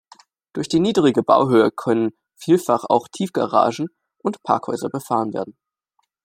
Durch die niedrige Bauhöhe können vielfach auch Tiefgaragen und Parkhäuser befahren werden.